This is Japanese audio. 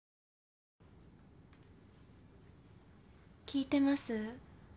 聞いてます？